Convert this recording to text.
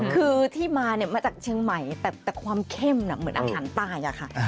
คือที่มาเนี่ยมาจากเชียงใหม่แต่ความเข้มเหมือนอาหารใต้อะค่ะ